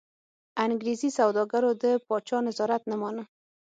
انګرېزي سوداګرو د پاچا نظارت نه مانه.